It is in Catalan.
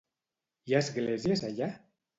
Hi ha esglésies allà?